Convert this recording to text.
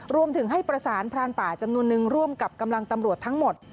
รวมถึงให้ประสานพรานป่าจำนวนนึงร่วมกับกำลังตำรวจทั้งหมด